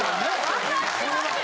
わかってますよ。